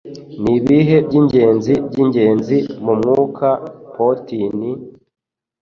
Nibihe Byingenzi Byingenzi Mumwuka, Poteen?